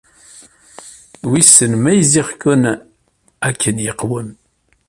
Wissen ma gziɣ-ken akken yeqwem.